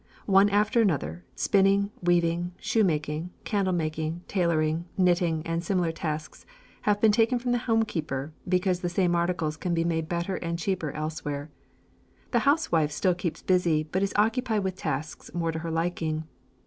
One after another, spinning, weaving, shoemaking, candlemaking, tailoring, knitting, and similar tasks have been taken from the homekeeper because the same articles can be made better and cheaper elsewhere. The housewife still keeps busy, but is occupied with tasks more to her liking.